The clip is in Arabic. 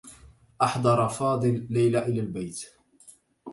أحضر فاضل ليلى إلى البيت.